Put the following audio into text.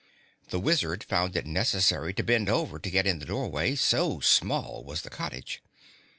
The Wizard found it necessary to bend over to get in the doorway, so small was the cottage.